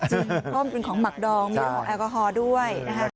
เพราะมันเป็นของหมักดองมีของแอลกอฮอล์ด้วย